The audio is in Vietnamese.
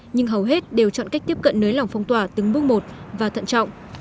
nhưng hầu hết đều chọn cách tiếp cận nới lỏng phong tỏa từng bước một và thận trọng